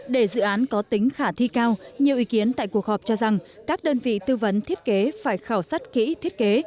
để dự án có tính khả thi cao nhiều ý kiến tại cuộc họp cho rằng các đơn vị tư vấn thiết kế phải khảo sát kỹ thiết kế